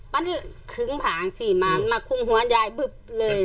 มันคืนผางสิมาคุ้มหัวใยบึบเลย